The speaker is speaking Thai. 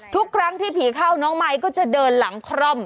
ทุกครั้งที่ผีเข้าน้องมายก็จะเดินหลังคร่อม